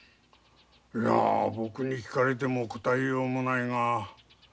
いや僕に聞かれても答えようもないが。